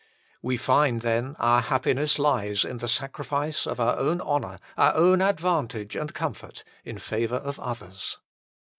We find, then, our happiness lies in the sacrifice of our own honour, our own advantage and comfort, in favour of others.